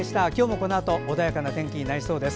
このあとも穏やかな天気が続きそうです。